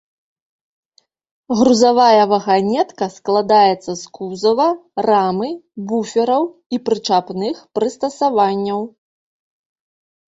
Грузавая ваганетка складаецца з кузава, рамы, буфераў і прычапных прыстасаванняў.